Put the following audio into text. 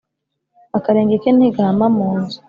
Akarenge ke ntigahama mu nzu